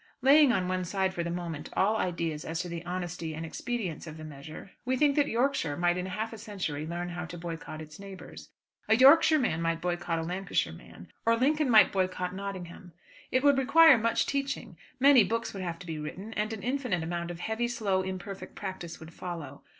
Laying on one side for the moment all ideas as to the honesty and expediency of the measure, we think that Yorkshire might in half a century learn how to boycott its neighbours. A Yorkshire man might boycott a Lancashire man, or Lincoln might boycott Nottingham. It would require much teaching; many books would have to be written, and an infinite amount of heavy slow imperfect practice would follow.